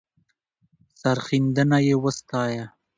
سرښندنه یې وستایه.